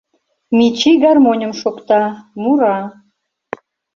Мичи гармоньым шокта, мура.